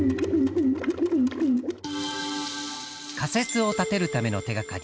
仮説を立てるための手がかり